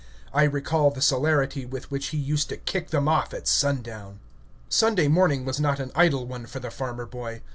I recall the celerity with which he used to kick them off at sundown. Sunday morning was not an idle one for the farmer boy.